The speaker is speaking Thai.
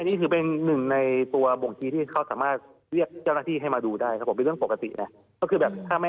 อันนี้คือเป็นหนึ่งในตัวบ่งทีที่เขาสามารถเรียกเจ้าหน้าที่ให้มาดูได้ครับผม